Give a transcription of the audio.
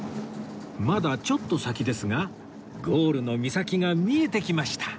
まだちょっと先ですがゴールの岬が見えてきました